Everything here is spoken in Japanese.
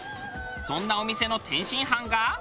そんなお店の天津飯が。